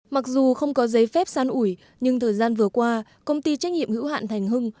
mặc dù không có giấy phép san ủi nhưng thời gian vừa qua công ty trách nhiệm hữu hạn thành hưng